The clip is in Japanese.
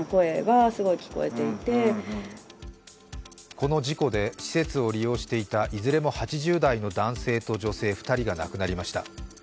この事故で施設を利用していたいずれも８０代の男性と女性２人が亡くなりました。